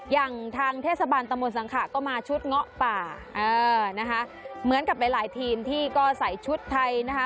อย่างทางเทศบาลตะมนต์สังขะก็มาชุดเงาะป่าเออนะคะเหมือนกับหลายหลายทีมที่ก็ใส่ชุดไทยนะคะ